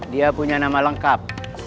dia punya nama lengkap